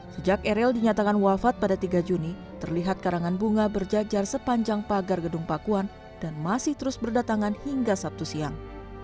sejak eril dinyatakan wafat pada tiga juni terlihat karangan bunga berjajar sepanjang pagar gedung pakuan dan masih terus berdatangan hingga sabtu siang